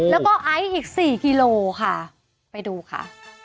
แล้วก็ไอซ์อีก๔กิโลค่ะไปดูค่ะ